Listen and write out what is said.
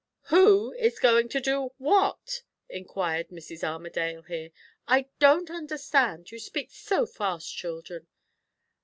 "Who is going to do what?" inquired Mrs. Armadale here. "I don't understand, you speak so fast, children."